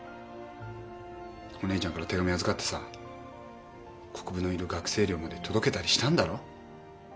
お姉ちゃんから手紙預かってさ国府のいる学生寮まで届けたりしたんだろ？